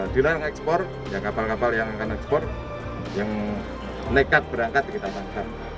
di dalam ekspor kapal kapal yang akan ekspor yang nekat berangkat kita tahan